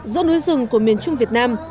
do núi rừng của miền trung việt nam